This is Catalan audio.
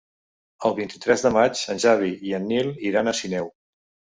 El vint-i-tres de maig en Xavi i en Nil iran a Sineu.